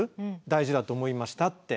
大事だと思いましたって。